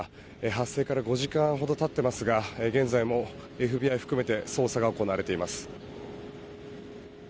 発生から５時間ほど経っていますが現在もＦＢＩを含めて捜査が行われています。